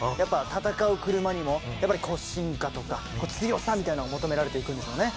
戦う車にもやっぱりこう進化とか強さみたいなの求められていくんでしょうね。